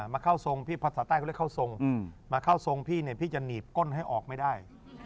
มาเข้าทรงพี่ภาษาใต้เขาเรียกเข้าทรงมาเข้าทรงพี่เนี่ยพี่จะหนีบก้นให้ออกไม่ได้